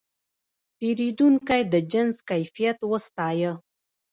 پیرودونکی د جنس کیفیت وستایه.